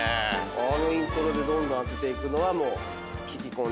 あのイントロでどんどん当てていくのはもう。